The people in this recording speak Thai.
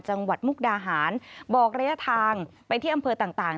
จังหวัดมุกดาหารบอกระยะทางไปที่อำเภอต่าง